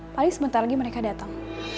paling sebentar lagi mereka datang